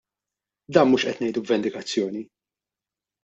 Dan mhux qed ngħidu b'vendikazzjoni.